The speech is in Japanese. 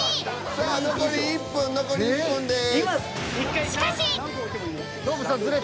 さあ残り１分残り１分です。